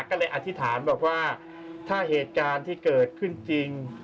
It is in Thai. ก็เลยอธิษฐานบอกว่าถ้าเหตุการณ์ที่เกิดขึ้นจริง